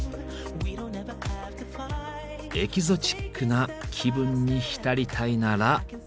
エキゾチックな気分に浸りたいならこちら。